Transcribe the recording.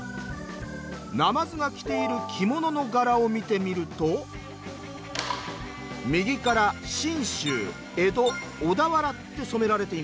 なまずが着ている着物の柄を見てみると右から「信州」「江戸」「小田原」って染められています。